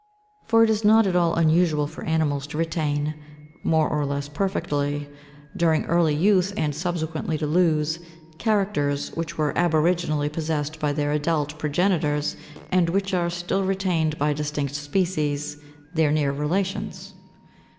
For it is not at all unusual for animals to retain, more or less perfectly, during early youth, and subsequently to lose, characters which were aboriginally possessed by their adult progenitors, and which are still retained by distinct species, their near relations.